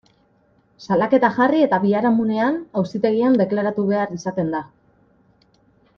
Salaketa jarri eta biharamunean, auzitegian deklaratu behar izaten da.